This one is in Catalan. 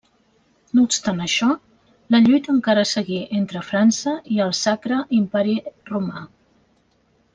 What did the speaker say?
No obstant això, la lluita encara seguí entre França i el Sacre Imperi Romà.